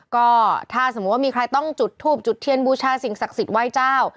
ก็ถ้าสมมุติว่ามีใครต้องจุดทูบจุดเทียนบูชาสิ่งศักดิ์สิทธิ์ไหว้เจ้า